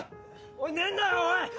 おい寝るなよおい！